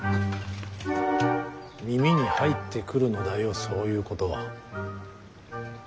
耳に入ってくるのだよそういうことは。